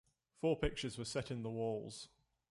Four pictures were set in the walls.